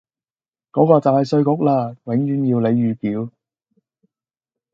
嗰個就系稅局啦，永遠要你預繳。